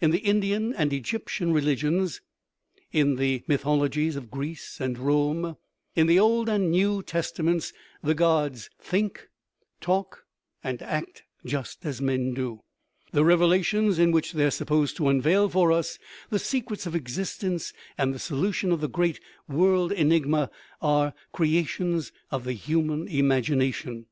In the Indian and Egyptian re ligions, in the mythologies of Greece and Rome, in the Old and the New Testaments, the gods think, talk, and act just as men do ; the revelations, in which they are supposed to unveil for us the secrets of existence and the solution of the great world enigma, are crea tions of the human imagination.